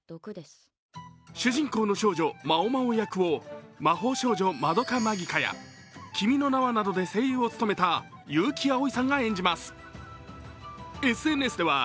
主人公の少女・猫猫役を「魔法少女まどか☆マギカ」や「君の名は」などで声優を務めた悠木碧さんが演じます。